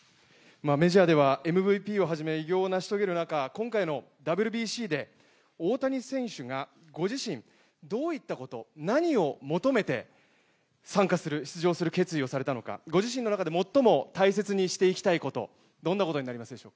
メジャーではＭＶＰをはじめ偉業を成し遂げる中今回のＷＢＣで大谷選手がご自身、どういったこと、何を求めて参加する出場する決心をされたのか、ご自身の中で最も大切にしていきたいことはどんなことになるでしょう